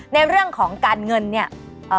ในเรื่องของการเงินเนี่ย